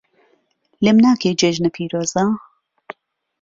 لێم ناکەی جێژنە پیرۆزە